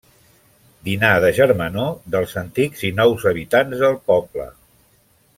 Dinar de germanor dels antics i nous habitants del poble.